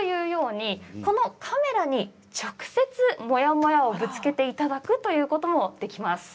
カメラにモヤモヤをぶつけていただくということもできます。